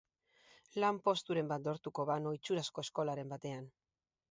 Lanposturen bat lortuko banu itxurazko eskolaren batean...